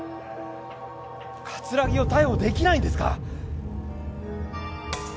葛城を逮捕できないんですか？